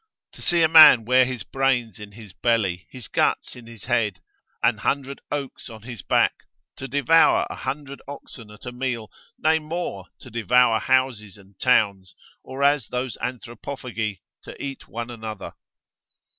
To see a man wear his brains in his belly, his guts in his head, an hundred oaks on his back, to devour a hundred oxen at a meal, nay more, to devour houses and towns, or as those Anthropophagi, to eat one another.